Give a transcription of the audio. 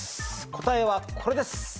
答えはこれです。